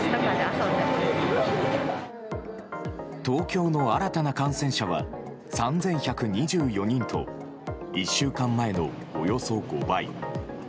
東京の新たな感染者は３１２４人と１週間前のおよそ５倍。